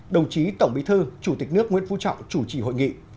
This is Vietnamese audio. đồng chí tổng bí thư chủ tịch nước nguyễn phú trọng chủ trì hội nghị